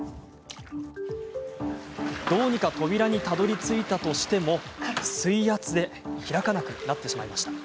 どうにか扉にたどりついたとしても水圧で開かなくなってしまいました。